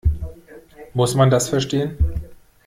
Muss man das verstehen?